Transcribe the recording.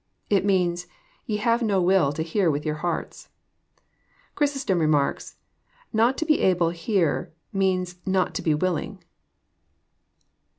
It means, "Ye have no will to hear with your hearts.' >t Chrysostom remarks :" Not to be able here means not to be willing."